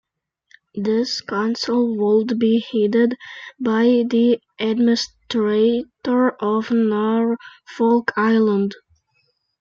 This council would be headed by the Administrator of Norfolk Island.